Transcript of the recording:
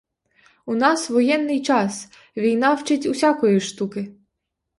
У нас воєнний час, війна вчить усякої штуки.